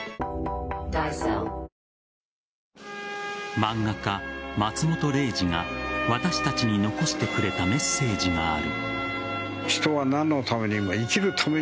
漫画家・松本零士が私たちに残してくれたメッセージがある。